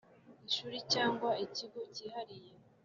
ishuri cyangwa ak ikigo cyihariye